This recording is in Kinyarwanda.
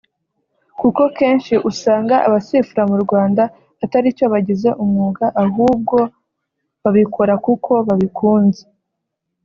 Kuko kenshi usanga abasifura mu Rwanda ataricyo bagize umwuga ahubwo babikora kuko babikunze